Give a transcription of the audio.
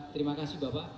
terima kasih bapak